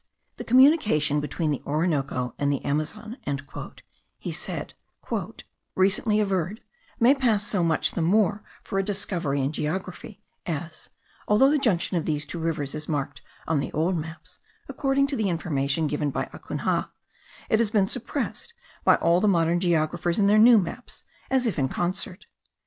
"The communication between the Orinoco and the Amazon," said he, "recently averred, may pass so much the more for a discovery in geography, as, although the junction of these two rivers is marked on the old maps (according to the information given by Acunha), it had been suppressed by all the modern geographers in their new maps, as if in concert.